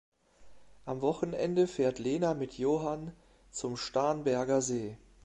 Am Wochenende fährt Lena mit Johan zum Starnberger See.